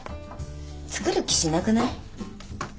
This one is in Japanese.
作る気しなくない？